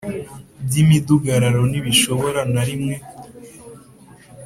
By’imidugararo ntibishobora na rimwe